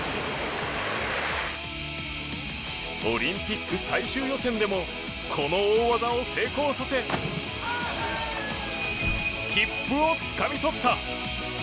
オリンピック最終予選でもこの大技を成功させ切符をつかみ取った。